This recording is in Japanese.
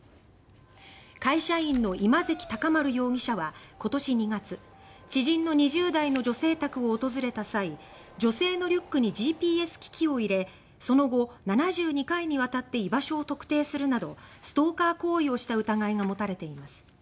会社員の今関尊丸容疑者は今年２月知人の２０代の女性宅を訪れた際女性のリュックにＧＰＳ機器を入れその後、７２回にわたって居場所を特定するなどストーカー行為をした疑いが持たれています。